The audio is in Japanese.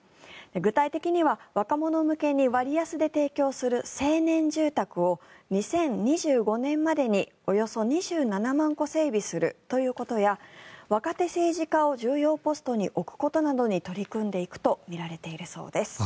具体的には、若者向けに割安で提供する青年住宅を２０２５年までにおよそ２７万戸整備するということや若手政治家を重要ポストに置くことなどに取り組んでいくとみられているそうです。